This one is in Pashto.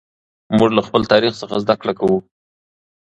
موږ له خپل تاریخ څخه زده کړه کوو.